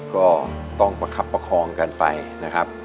ก็ต้องประคับประคองกันไปนะครับ